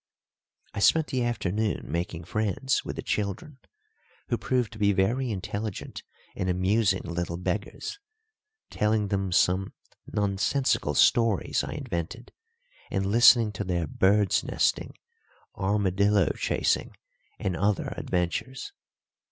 I spent the afternoon making friends with the children, who proved to be very intelligent and amusing little beggars, telling them some nonsensical stories I invented, and listening to their bird's nesting, armadillo chasing, and other adventures.